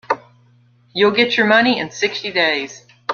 You'll get your money in sixty days.